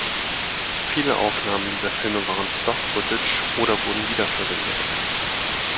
Viele Aufnahmen dieser Filme waren Stock Footage oder wurden wiederverwendet.